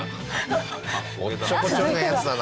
おっちょこちょいなヤツだな。